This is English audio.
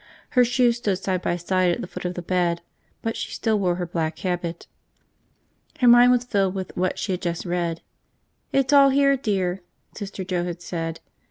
Her shoes stood side by side at the foot of the bed, but she still wore her black habit. Her mind was filled with what she had just read. "It's all here, dear," Sister Joe had said.